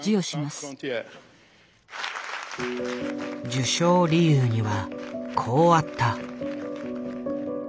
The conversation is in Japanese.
受賞理由にはこうあった。